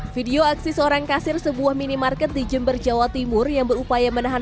video aksi seorang kasir sebuah minimarket di jember jawa timur yang berupaya menahan